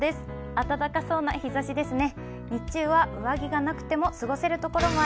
暖かそうな日ざしですね。